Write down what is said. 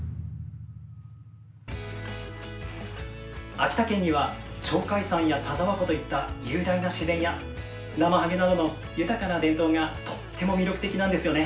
秋田県には鳥海山や田沢湖といった雄大な自然やなまはげなどの豊かな伝統がとっても魅力的なんですよね。